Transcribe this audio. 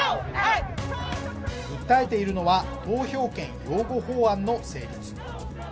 訴えているのは、投票権擁護法案の成立。